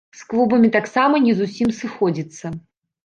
З клубамі таксама не зусім сыходзіцца.